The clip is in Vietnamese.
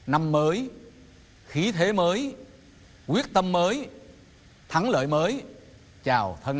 năm mới khí thế mới quyết tâm mới thắng lợi mới chào thân ái